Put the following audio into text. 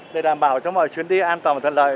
để đảm bảo cho mọi chuyến đi an toàn và thuận lợi